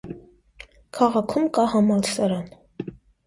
Քաղաքում կա համալսարան։